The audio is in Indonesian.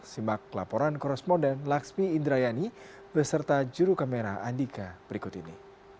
simak laporan koresponden laksmi indrayani beserta juru kamera andika berikut ini